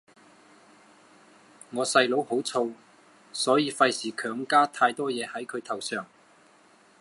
我細佬好燥，所以費事強加太多嘢係佢頭上